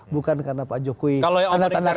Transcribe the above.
bukan karena pak jokowi tanda kalah gitu